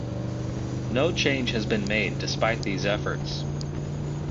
No change has been made despite these efforts.